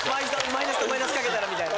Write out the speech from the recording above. マイナスとマイナスかけたらみたいな。